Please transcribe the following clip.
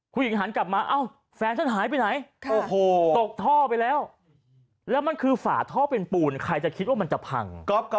หันกลับมาเอ้าแฟนฉันหายไปไหนตกท่อไปแล้วแล้วมันคือฝาท่อเป็นปูนใครจะคิดว่ามันจะพัง